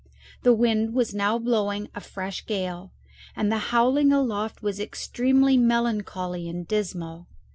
The wind was now blowing a fresh gale, and the howling aloft was extremely melancholy and dismal.